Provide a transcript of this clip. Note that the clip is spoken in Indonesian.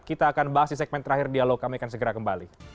kita akan bahas di segmen terakhir dialog kami akan segera kembali